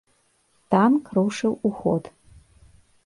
Танк рушыў у ход.